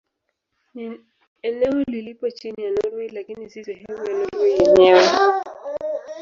Ni eneo lililopo chini ya Norwei lakini si sehemu ya Norwei yenyewe.